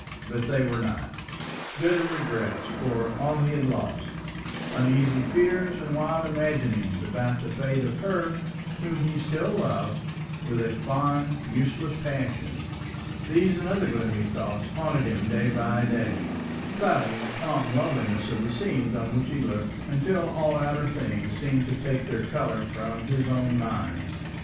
But they were not. Bitter regrets for all he had lost, uneasy fears and wild imaginings about the fate of her whom he still loved with a fond useless passion, these and other gloomy thoughts haunted him day by day, clouding the calm loveliness of the scenes on which he looked, until all outer things seemed to take their colour from his own mind.